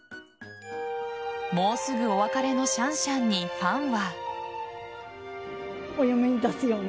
もうすぐお別れのシャンシャンにファンは。